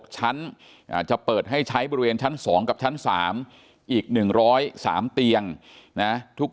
ชั้นจะเปิดให้ใช้บริเวณชั้น๒กับชั้น๓อีก๑๐๓เตียงนะ